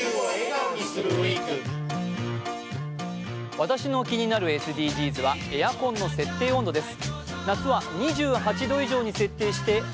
私の気になるＳＤＧｓはエアコンの設定温度です。